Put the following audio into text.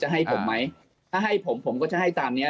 เจอให้หรือไหมได้ผมก็ใช้ตามเนี้ย